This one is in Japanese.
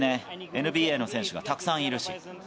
ＮＢＡの選手がたくさんいるし。